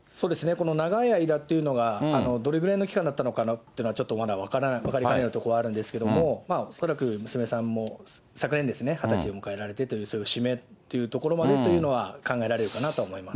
この長い間っていうのが、どれぐらいの期間だったのかなっていうのは、ちょっとまだ分かりかねるところはあるんですけれども、恐らく娘さんも昨年２０歳を迎えられてという、節目というところまでというのは、考えられるかなと思います。